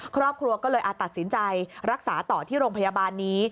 ครอบครัวก็เลยตัดสินใจรักษาต่อที่โรงพยาบาลนี้